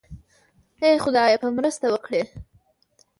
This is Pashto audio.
آیا خدای به مرسته وکړي؟